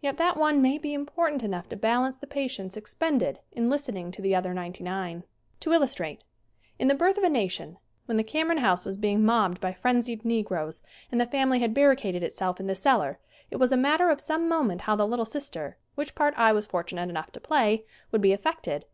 Yet that one may be important enough to balance the patience expended in listening to the other ninety nine. To illustrate: In "The Birth of a Nation," when the Cam eron house was being mobbed by frenzied negroes and the family had barricaded itself in the cellar it was a matter of some moment SCREEN ACTING 117 how the little sister, which part I was for tunate enough to play, would be affected.